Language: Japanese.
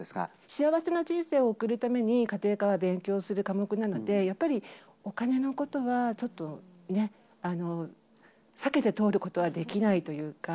幸せな人生を送るために、家庭科は勉強する科目なので、やっぱりお金のことはちょっとね、避けて通ることはできないというか。